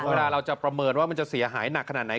เวลาเราจะประเมิดมันสีหายหนักขนาดไหน